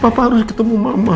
papa harus ketemu mama